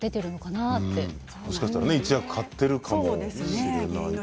もしかしたら一役買ってるかもしれないという。